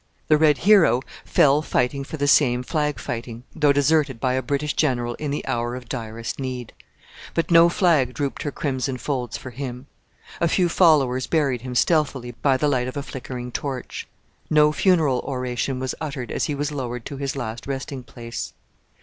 The red hero fell fighting for the same flag fighting on, though deserted by a British general in the hour of direst need. But no flag drooped her crimson folds for him. A few followers buried him stealthily by the light of a flickering torch. No funeral oration was uttered as he was lowered to his last resting place.